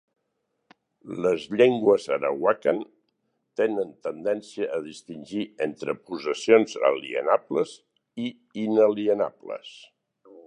Les llengües arawakan tenen tendència a distingir entre possessions alienables i inalienables.